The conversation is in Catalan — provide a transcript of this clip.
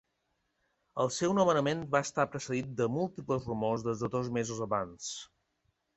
El seu nomenament va estar precedit de múltiples rumors des de dos mesos abans.